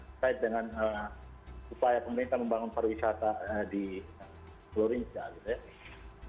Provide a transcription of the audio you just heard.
terkait dengan upaya pemerintah membangun pariwisata di pulau rinca gitu ya